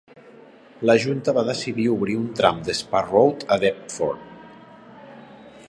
La junta va decidir obrir un tram d'Spa Road a Deptford.